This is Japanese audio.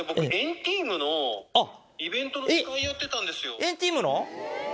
えっ＆ＴＥＡＭの？